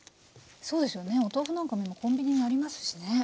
そうですよねお豆腐なんかも今コンビニにありますしね。